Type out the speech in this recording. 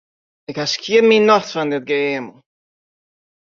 Ik ha skjin myn nocht fan dit geëamel.